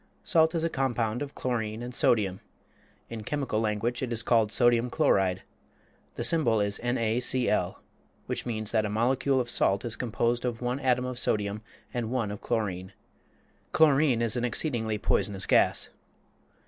Salt is a compound of chlorine and sodium. In chemical language it is called sodium chloride. The symbol is NaCl, which means that a molecule of salt is composed of one atom of sodium and one of chlorine. Chlorine is an exceedingly poisonous gas.